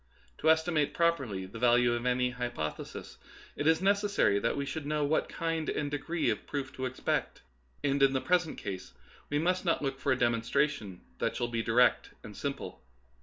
To estimate properly the value of any hypothesis, it is neces sary that we should know what kind and degree of proof to expect ; and in the present case we must not look for a demonstration that shall be di rect and simple.